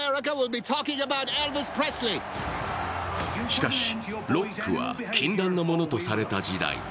しかし、ロックは禁断のものとされた時代。